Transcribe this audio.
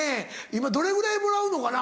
今どれぐらいもらうのかな？